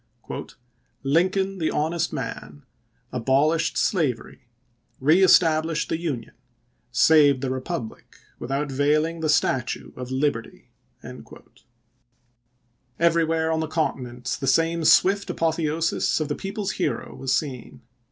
" Lincoln — the Honest Man ; abolished slavery, reestablished the Union; Saved the Re public, without veiling the Statue of Liberty." 346 ABRAHAM LINCOLN ch. xviii. Everywhere on the Continent the same swift apotheosis of the people's hero was seen.